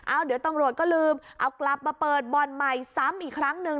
เดี๋ยวตำรวจก็ลืมเอากลับมาเปิดบ่อนใหม่ซ้ำอีกครั้งหนึ่ง